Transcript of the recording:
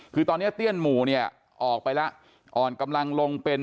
คือตอนนี้เตี้ยนหมู่เนี่ยออกไปแล้วอ่อนกำลังลงเป็น